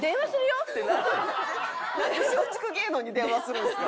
なんで松竹芸能に電話するんですか。